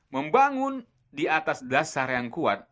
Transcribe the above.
membangun di atas dasar yang kuat